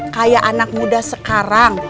kayak anak muda sekarang